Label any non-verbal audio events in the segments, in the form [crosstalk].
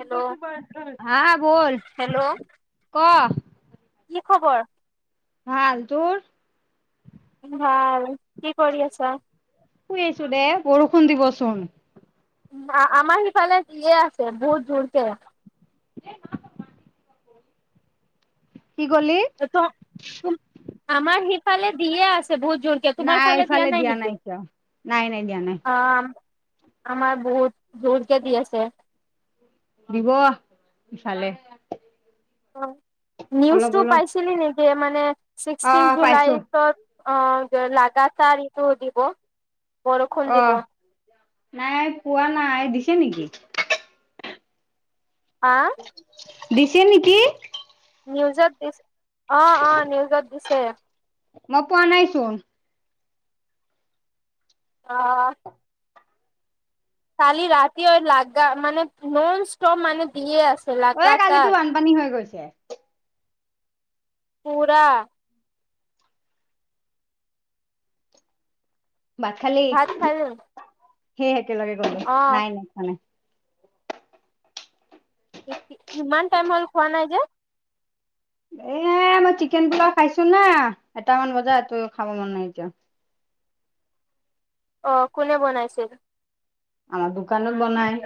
Hello হা বল hello ক কি খবৰ? ভাল তোৰ মোৰ ভাল কি কৰি আছা শুই আছো দে বৰষুণ দিবচোন আ আমাৰ সিফালে দিয়ে আছে বহুত জোৰকে এ না শুনা কি কলি ত আমাৰ সিফালে দিয়ে আছে বহুত জুৰ কে তোমাৰ নাই ফালে দিয়া ইফালে নাই নেকি? কিয় নাই নাই দিয়া নাই অ আমাৰ বহুত জোৰকে দি আছে। দিব ইফালে। অ অলপ নিউজটো অলপ পাইছিলি নেকি মানে অ ছিক্সটিন পাইছো জুলাইত অ লাগাতাৰ ইটো দিব। বৰষুণ অ দিব নাই পোৱা নাই দিছে নেকি আ দিছে নেকি নিউজত দিছে অ অ নিউজত দিছে। মই পোৱা নাই চোন অ কালি ৰাতিও লাগা মানে নন ষ্টপ মানে দিয়ে আছে অৱে লাগাতাৰ। কালিতো বানপানী হৈ গৈছে পুৰা ভাত খালি ভাত খালি সেই একেলগে কলো অ', নাই নাই খোৱা নাই ই ই ইমান টাইম হ'ল খোৱা নাই যে এ মই চিকেন পোলাও খাইছো না এটামান বজাত ত খাব মন নাই যোৱা। অ কোনে বনাইছিল? আমাৰ দোকানত বনাই।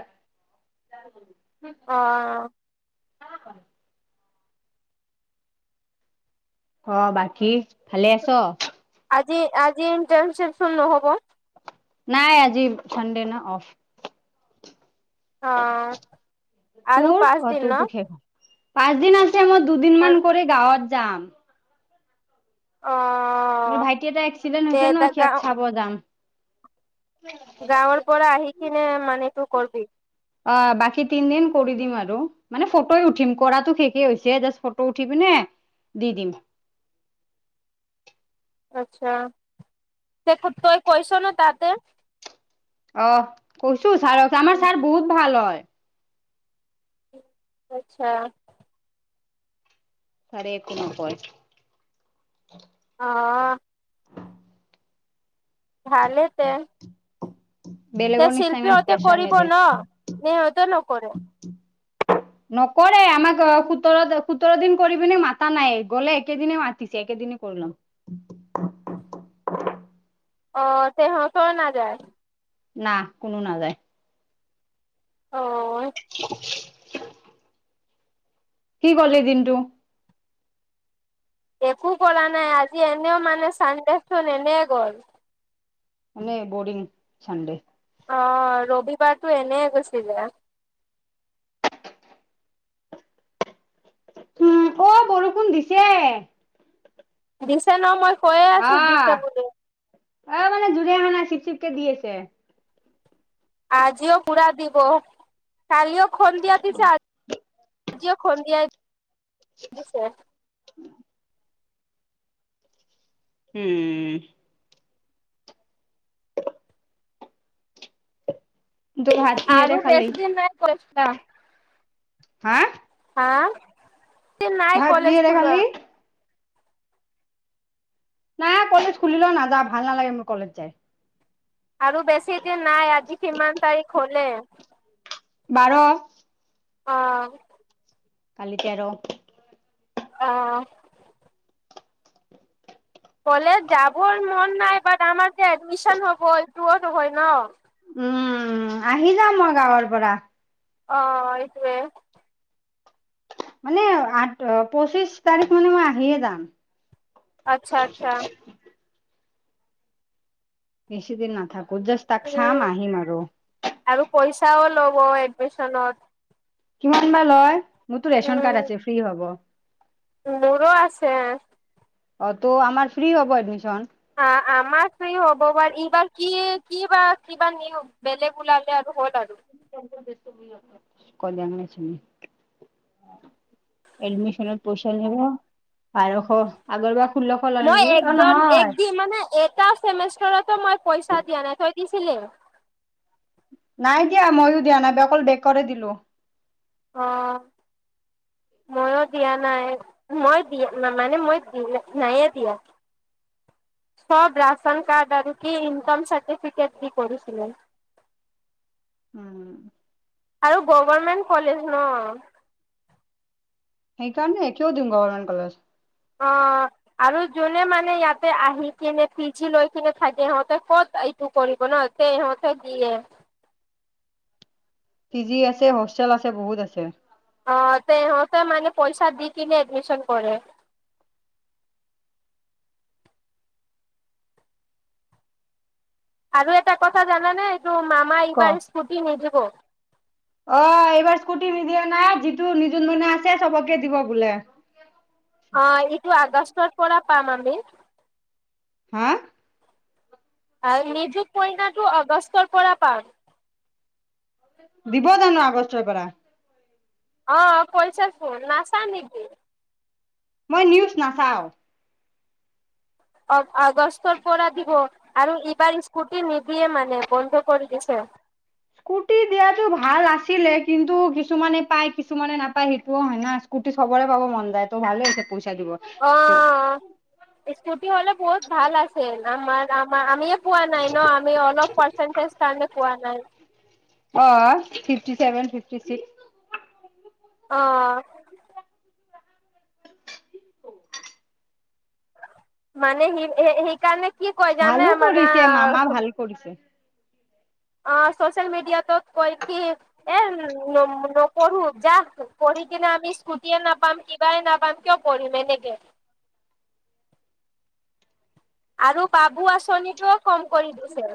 অ অ বাকী ভালে আছ। আজি আজি ইণ্টাৰ্ণশিপটো নহব। নাই আজি চানডে ন অফ। অ তোৰ অ তোৰতো শেষ পাঁচদিন আছে মই দুদিন অ', মান কৰি গাঁৱত যাম। মোৰ ভাইটি এটা এক্সিডেণ্ট তে হৈছে ন সিয়াক গাঁও চাব যাম। গাঁৱৰ পৰা আহি কিনে মানে তোৰ কৰবি। অ বাকী তিনদিন কৰি দিম আৰু। মানে, ফটোৱে উঠিম, কৰাটো শেষেই হৈছে, জাষ্ট ফটো উঠি পিনে, দি দিম। আচ্ছা! তই কৈছ ন' তাতে? অ কৈছো ছাৰক আমাৰ ছাৰ বহুত ভাল হয়। আচ্ছা। ছাৰে একো নকয়। অ'! ভালে যে, বেলেগৰ নিচিনা ইমান শিল্পীহঁতে প্ৰেছাৰ কৰিব নিদিয়ে ন'? নে সিহঁতেও নকৰে? নকৰে। আমাক, সোতৰ-সোতৰ দিন কৰি পিনে মাতা নাই। গ'লে একেদিনে মাতিছে, একেদিন। কি [unintelligible] অ'! তেহঁতৰ নাযায়। না, কোনো নাযায়। অ'! কি কৰিলি দিনটো? একো কৰা নাই। আজি এনেও মানে, চানডে চোন এনে গ'ল। এনে, বৰিং চানডে। অ'! ৰবিবাৰটো এনে গুচি যায়। উম, অ! বৰষুণ দিছে। দিছে ন'? মই কৈয়ে আছো দিছে আঁ, বুলি অ'! মানে, জোৰে অহা নাই, চিপ চিপকে দি আছে। আজিও, পূৰা দিব। কালিও সন্ধিয়া দিছে। [unintelligible] আজিও সন্ধিয়া দিছে। [inaudible] [unintelligible] [unintelligible] তই ভাত কিহেৰে আৰু খালি বেছি দিন নাই, [unintelligible] হা? হা? এইকেইদিন নাই ভাত কলেজ কিহেৰে খোলা। খালি নাই, কলেজ খুলিলেও নাযাওঁ। ভাল নালাগে মোৰ, কলেজ যায়। আৰু বেছি দিন নাই। আজি কিমান তাৰিখ হ'লে! বাৰ। অ'! [unintelligible] অ'! কলেজ যাবৰ মন নাই। বাত, আমাৰ যে, এডমিশ্যন হ'ব, এতোৰো হয় ন'। উম, আহি যাম মই গাঁৱৰ পৰা। অ'! এইটোৱে। মানে, আঠ, পঁচিশ তাৰিখ মানে মই আহিয়ে যাম। আচ্ছা, আচ্ছা। বেছিদিন নাথাকোঁ। জাষ্ট তাত উম চাম, আহিম আৰু। আৰু পইচাও ল'ব এডমিশ্যনত। কিমান বা লয়? মোৰতো ৰেচন উম কাৰ্ড আছে, ফ্ৰী হ'ব। মোৰো আছে। অ'! ত' আমাৰ ফ্ৰী হ'ব এডমিশ্যন। আ, আমাৰ ফ্ৰী হ'ব। বা এইবাৰ কি কি বা কিবা নিয়ম, বেলেগ ওলালে আৰু হ'ল আৰু। [unintelligible] কল্যাণ নে চিমি? এডমিশ্যনত পইচা নিব বাৰশ, আগৰ বাৰ ষোল্লশ ল'লে নেকি? অ'! নহয়। কি মানে, এটা সেই মেচখনটো মই পইচা দিয়া নাই, তই দিছিলি? নাই দিয়া। মইও দিয়া নাই, অকল [unintelligible] দিলোঁ। অ মই দিয়া নাই, মই দিয়া মানে মই নাইয়ে দিয়া। চব ৰাচন কাৰ্ড আৰু কি, ইনকম চাৰ্টিফিকেট দি কৰিছিলে। উম! আৰু গভাৰমেণ্ট কলেজ ন? সেইকাৰণে কিয় দিম গভাৰৰ্মেন্ত কলেজ। অ আৰু যোনে মানে ইয়াতে আহি কিনে পিজি লৈ কিনে থাকে সিহঁতে ক'ত টো কৰিব ন, তে সিহঁতে দিয়ে। পি জি আছে, হোষ্টেল আছে, বহুত আছে। অ তেহঁতে মানে পইচা দি কিনে এডমিচন কৰে। আৰু এটা কথা জানানে, এইটো মামা ক এইবাৰ স্কুটি নিদিব। অ এইবাৰ স্কুটি নিদিয়া নাই, যিটো নিযুত মইনা আছে চবকে দিব বোলে। অ এইটো আগষ্টৰ পৰা পাম আমি। হা? আৰু নিযুত মইনাটো আগষ্টৰ পৰা পাম। দিবজানো আগষ্টৰ পৰা? অ কৈচে চোন, নাচাৱ নেকি? মই নিউজ নাচাওঁ। অ আগষ্টৰ পৰা দিব আৰু ইবাৰ স্কুটি নিদিয়ে মানে বন্ধ কৰি দিছে। স্কুটি দিয়াটো ভাল আছিলে। কিন্তু কিছুমানে পাই, কিছুমানে নাপায় সেইটোও হয় ন। স্কুটি চবৰে পাব মন যায় তো, ভালে হৈছে পইচা দিব। অ ত স্কুটি হলে বহুত ভাল আছে। আমাৰ ম আমিয়ে পোৱা নাই ন, আমি অলপ পাৰ্চেন্টেজ কাৰণে পোৱা নাই। অ ফিফটি ছেভেন, ফিফ্টি ছিক্স। অ মানে সি সেইকাৰণে কি কয় ভালো জানে মানে কৰিছে মামা ভাল কৰিছে। অ চচিয়েল মিডিয়াত কৈ কি, এ নকৰো যা পঢ়ি কিনে আমি স্কুটি এই নাপাম, কিবাই নাপাম, কিয় পঢ়িম এনেকে। আৰু বাবু আঁচনিটো অ কম কৰি দিছে।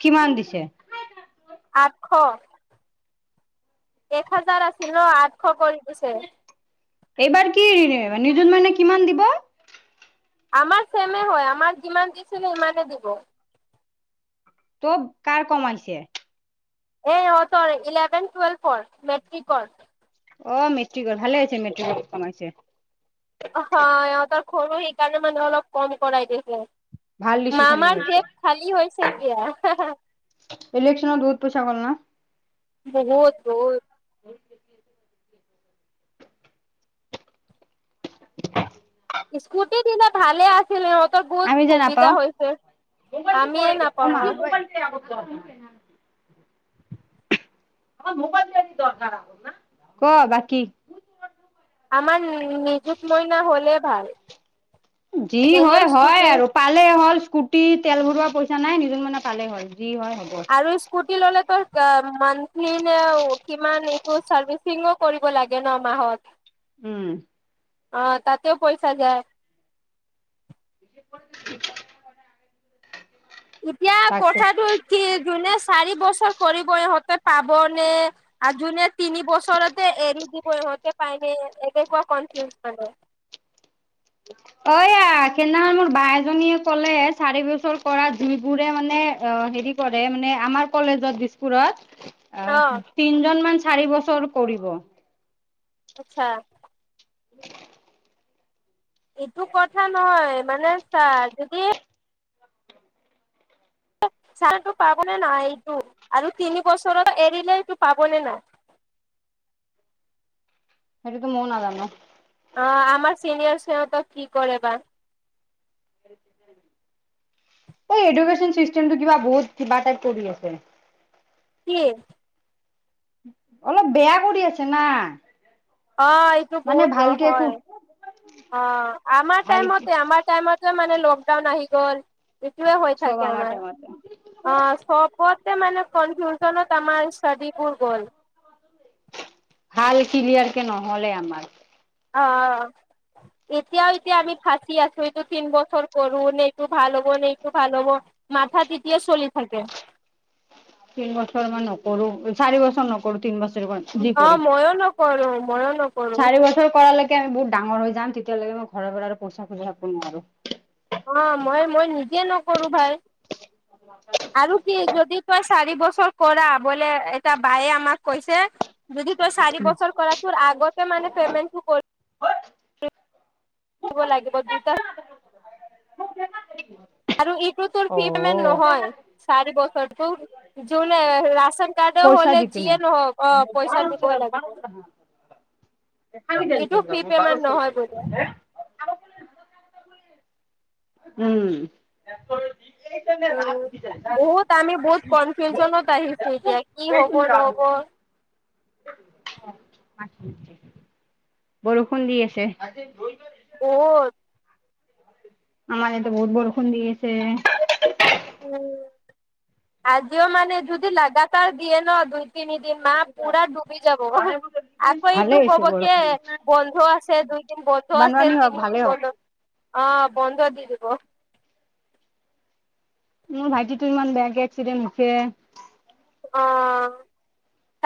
কিমান দিছে? আঠশ, এক হাজাৰ আছিল ন, আঠশ কৰি দিছে। এইবাৰ কি ৰেনে, নিয়ুত মইনা কিমান দিব? আমাৰ চেমে হয়। আমাক যিমান দিছিলে সিমানে দিব। ত' কাৰ কমাইছে? এ ইহঁতৰ ইলেভেন, টুৱেলভৰ, মেট্ৰিকৰ। অ মেট্ৰিকৰ ভালে হৈছে, মেট্ৰিকৰ কমাইছে অহ সিহঁতৰ ঘৰু, সেইকাৰণে মানে অলপ কম কৰাই দেখে। ভাল ডিচিশন মামাৰ লৈছে গেৱ খালী হৈছে এতিয়া। আহা, হা ইলেকশ্যনত বহুত পইচা গ'ল না? বহুত, বহুত। স্কুটি দিলে ভালে আছিলে বহুত আমি জে সুবিধা নাপাওঁ। হৈছে আমিয়ে নাপাওঁ। [unintelligible] ক বাকি? আমাৰ নিজুত মইনা হলে ভাল। যি এনেও হয় হয় স্কুটি আৰু পালেই হ'ল স্কুটি, তেল ভৰৱোৱা পইচা নাই, নিজুত মইনা পালেই হ'ল যি হয় হ'ব। আৰু স্কুটি ললেটো আহ মন্থলী নে কিমান এইটো ছাৰ্ভিচ - শিঙো কৰিব লাগে ন মাহত। উম অ তাতেও পইচা যায়, [unintelligible] এতিয়া তাকে কথাটো হ'ল কি, যোনে চাৰি বছৰ কৰি কৰিব ইহঁতে পাবনে, আৰু যোনে তিনি বছৰতে এৰি দিব ইহঁতে পায়নে এনেকুৱা কনফিউজ কৰে। অয়া সেইদিনাখন মোৰ বাই এজনীয়ে কলে চাৰি বছৰ কৰা জুইবোৰে মানে। অ হেৰি কৰে মানে আমাৰ কলেজত দিছপুৰত। [unintelligible] অ তিনজন মান চাৰি বছৰ কৰিব। আচ্ছা। উ [inaudible] এইটো কথা নহয় মানে চা যদিহে - চাহটো পাবনে নাই এইটো আৰু তিনি বছৰৰ এৰিলে এইটো পাব নে নাই? সেইটো ম‌য়ো নাজানো। অঁ আমাৰ চিনিয়ৰ সিহঁতক কি কৰে বা। এই এডুকেশ্যন চিষ্টেমটো কিবা বহুত কিবা টাইপ কৰি আছে। কি? অলপ বেয়া কৰি আছে না। অ এইটো মানে বহুত ভালকে একো হয়, অঁ আমাৰ ভাল টাইমতে আমাৰ- টাইমত মানে লকডাউন আহি গ'ল, এইটোয়ে হৈ চব থাকে আমাৰ- টাইমতে অঁ চবতে মানে কনফিউজনত আমাৰ ষ্টডিবোৰ গ'ল। ভাল ক্লিয়াৰ কে নহ'লে আমাৰ। অঁ অঁ এতিয়াও এতিয়া আমি ফাঁচি আছো, এইটো তি বছৰ কৰো নে এইটো ভাল হ'ব নে এইটো ভাল হ'ব। মাথা তেতিয়া চলি থাকে। তিন বছৰ মান নকৰো চাৰি বছৰ নকৰো তিন বছৰে ম- অ মইয়ো নকৰো মইয়ো নকৰো। কৰাকে আমি বহুত ডাঙ হৈ যাম তেতিয়ালৈকে ম ঘৰ পৰা আৰু পইচা খোজ নোৱাৰো অ মই মই নিজে নকৰো ভাই, আৰু কি যদি? তই চাৰি বছৰ কৰা বোলে এটা বায়ে আমাক কৈছে- যদি তোৰ চাৰি বছৰ কৰা তোৰ আগতে মানে পেমেণ্ট কৰি- ৰিব লাগিব দুটা- আৰু ইটো তোৰ ফিটমেন নহয় চাৰি বছৰটো যোনে ৰাচে- পইচা হ'লে দি পিনে যিয়ে নহওক অ পইচা দিবই লাগিব এইটো ফি পেমেণ্ট নহয় বোলে। উম। উম। বহুত আমি বহুত কনফিউজনত আহিছো এতিয়া কি [unintelligible] হব এইছিল [unintelligible] নহব বৰষুণ দি আছে। বহুত আমাৰ ইয়াতো বহুত বৰষুণ দি আছে। উম আজিও মানে যদি লাগাতাৰ দিয়ে ন দুই- তিনিদিন মাহ পুৰা ডুবি যাব। আকৌ ভালে এইটো হৈছে কব কি বৰষুণ বন্ধ আছে, দুইদিন বন্ধ আছে বানপানী তি- হওক হেৰি ভালে হওক। বন্ধ, বন্ধ দি দিব। মোৰ ভাইটিটো ইমান বেয়াকে এক্সিডেণ্ট হৈছে। অঁ,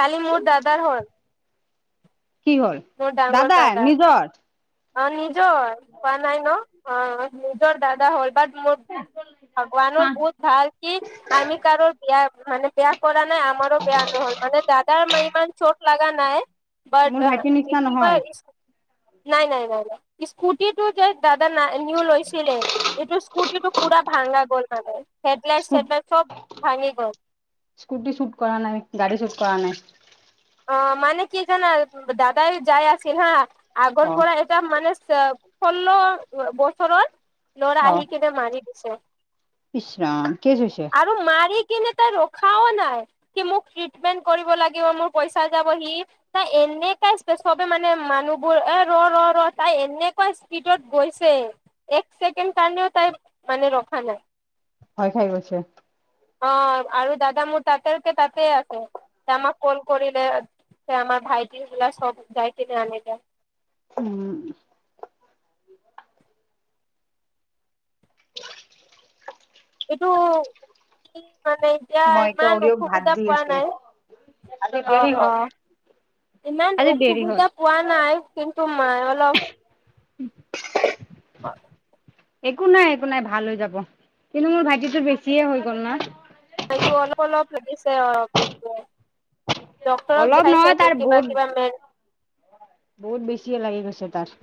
কালি মোৰ দাদাৰ হ'ল। কি হ'ল মোৰ ডাঙৰ দাদা দাদাৰ নিজৰ? অ নিজৰ কোৱা নাই ন, অ নিজৰ দাদা হল বাট মোৰ হা ভগৱানৰ বহুত ভাল কি আমি কাৰো বিয়া মানে বেয়া কৰা নাই আমাৰো বেয়া নহল মানে দাদাৰ মাই মান চোট লাগ নাই মোৰ বাট ভাইটিৰ নিচিনা কি নহয় কয়- নাই নাই নাই নাই স্কুটিটো যে- দাদা না নিউ লৈছিলে এইটো স্কুটিটো পুৰা ভাঙা গ'ল মানে। হেডলাইট স্কু চেডলাইট চব ভাঙি গ'ল স্কুটি চুট কৰা নাই, গাড়ী চুট কৰা নাই। অ মানে কি কানা দাদাই যাই আছিল হা আগৰ অ পৰাই এটা মানে ষোল্ল বছৰৰ লৰা অ আহি কিনে মাৰি দিছে। ইচৰাম। কেচ হৈছে? আৰু মাৰি কিনে তাই ৰখাও নাই। সি মোক ট্ৰিটমেণ্ট কৰিব লাগিব মোক পইচা যাব হি তাই এনেকুৱা স্প চবে মানে মানুহবোৰ এ ৰ ৰ ৰ তাই এনেকুৱা স্পীডত গৈছে এক ছেকেণ্ড কাৰণেও তাই মানে ৰখা নাই। ভয় খাই গৈছে। অ আৰু দাদা মোৰ তাতেকে তাতে আছে আমাক কল কৰিলে তে আমাৰ ভাইটি বিলাক চব যাই কিনে আনিলে হু উ। এইটো কি মানে এতিয়া মই এতিয়া ইমান অৰিঅক ভাত অসুবিধা দি পোৱা আছো নাই, অ অ। ইমান আজি দেৰি হ'ল অসুবিধা পোৱা নাই কিন্তু মাই অলপ একো নাই একো নাই ভাল হৈ যাব। কিন্তু মোৰ ভাইটিটো বেছিয়ে হৈ গ'ল না। এইটো অলপ অলপ লাগিছে [unintelligible] ডক্টৰক অলপ দেখাই নহয় চাই তাৰ কিবা বহুত কিবা মেন বহুত বেছিয়ে লাগি গৈছে তাৰ।